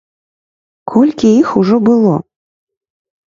Колькі іх ужо было?